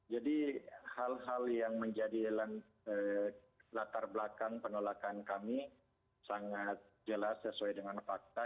jadi hal hal yang menjadi latar belakang penolakan kami sangat jelas sesuai dengan fakta